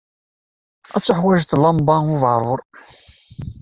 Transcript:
Ad tuḥwaǧeḍ llamba ubeɛṛur.